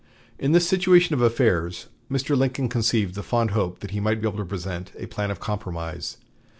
In this situation of affairs, Mr. Lincoln conceived the fond hope that he might be able to present a plan of compromise.